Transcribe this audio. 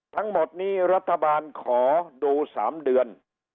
ทั้งหมดนี้รัฐบาลขอดู๓เดือน